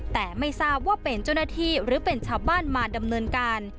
แต่ไม่ทราบว่าเป็นเจ้าหน้าที่หรือเป็นชาวบ้านมาดำเนินการ